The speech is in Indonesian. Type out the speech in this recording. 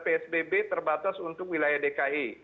psbb terbatas untuk wilayah dki